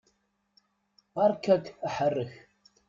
Beṛka-k aḥerrek!